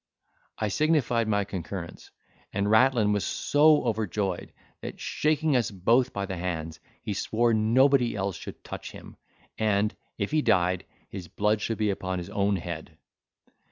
I signified my concurrence; and Rattlin was so overjoyed that, shaking us both by the hands, he swore nobody else should touch him, and, if he died, his blood should be upon his own head.